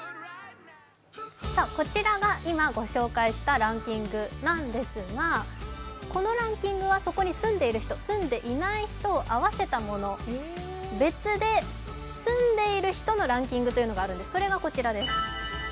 こちらが今ご紹介したランキングなんですが、このランキングはそこに住んでいる人、住んでいない人合わせたもの、別で、住んでいる人のランキングというのがあるんです、それがこちらです。